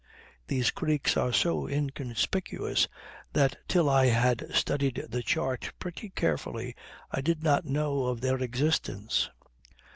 These creeks are so inconspicuous that till I had studied the chart pretty carefully I did not know of their existence.